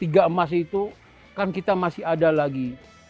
tiga emas itu kan kita masih ada lagi